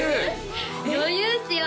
余裕っすよ！